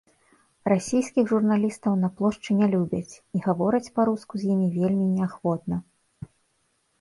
Расійскіх журналістаў на плошчы не любяць, і гавораць па-руску з імі вельмі неахвотна.